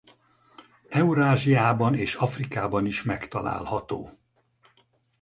Eurázsiában és Afrikában is megtalálható.